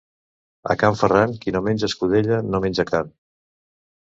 A can Ferran, qui no menja escudella, no menja carn.